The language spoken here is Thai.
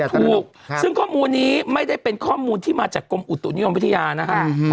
ถูกซึ่งข้อมูลนี้ไม่ได้เป็นข้อมูลที่มาจากกรมอุตุนิยมวิทยานะครับ